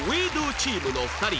チームの２人